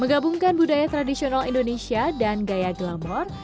menggabungkan budaya tradisional indonesia dan gaya glamor